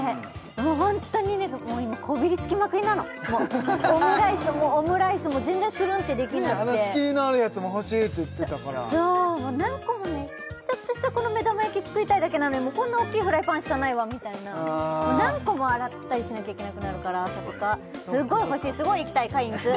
もうホントにね今こびりつきまくりなのもうオムライスも全然スルンってできなくてあの仕切りのあるやつも欲しいって言ってたからそう何個もねちょっとしたこの目玉焼き作りたいだけなのにこんなおっきいフライパンしかないわみたいな何個も洗ったりしなきゃいけなくなるから朝とかすごい欲しいすごい行きたいカインズ